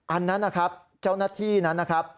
อันนั้นนะครับเจ้าหน้าที่นั้นนะครับ